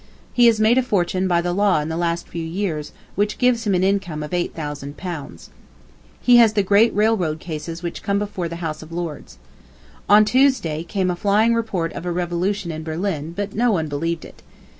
He has made a fortune by the law in the last few years, which gives him an income of £8,000. He has the great railroad cases which come before the House of Lords. ... On Tuesday came a flying report of a revolution in Berlin, but no one believed it.